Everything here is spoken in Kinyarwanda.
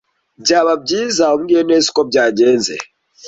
Byaba byiza umbwiye neza uko byagenze.